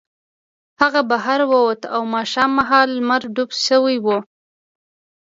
هغه بهر ووت او ماښام مهال لمر ډوب شوی و